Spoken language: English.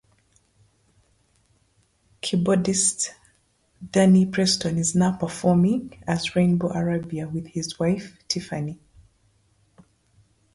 Keyboardist, Danny Preston is now performing as Rainbow Arabia with his wife, Tiffany.